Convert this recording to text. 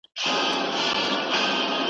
کشکي ټول وجود مي یو شان ښکارېدلای .